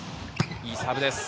いいサーブです。